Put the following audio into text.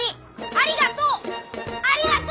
ありがとう！